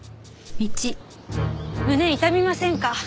胸痛みませんか？